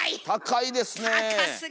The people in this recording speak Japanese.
高いですね。